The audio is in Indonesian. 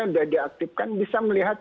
sudah diaktifkan bisa melihat